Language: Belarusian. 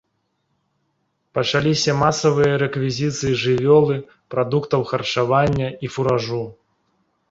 Пачаліся масавыя рэквізіцыі жывёлы, прадуктаў харчавання і фуражу.